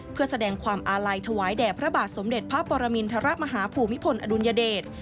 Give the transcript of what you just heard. เพื่อแสดงความอาลัยถวายแด่พระบาทสมเด็จพระปรมินทรมาฮภูมิพลอดุลยเดช